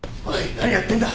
何やってんだ！